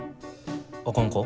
あかんか？